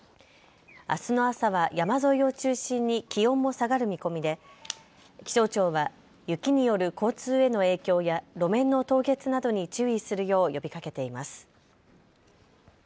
あすの朝は山沿いを中心に気温も下がる見込みで気象庁は雪による交通への影響や路面の凍結などに注意するよう呼びかけています。